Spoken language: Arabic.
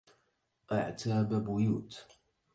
أعتابَ بيوت